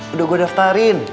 udah gue daftarin